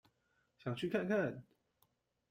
想去看看